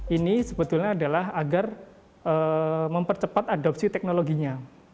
ini sebetulnya adalah agar mempercepat adopsi teknologinya